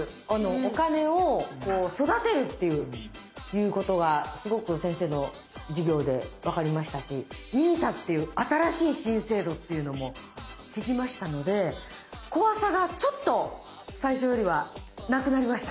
お金を育てるっていうことがすごく先生の授業で分かりましたしＮＩＳＡっていう新しい新制度っていうのも聞きましたので怖さがちょっと最初よりはなくなりました。